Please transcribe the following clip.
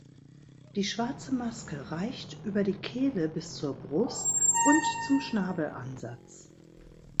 Die schwarze Maske reicht über die Kehle bis zur Brust und zum Schnabelansatz.